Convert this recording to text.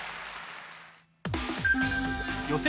予選